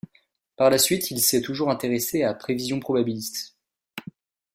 Par la suite, il s'est toujours intéressé à prévision probabiliste.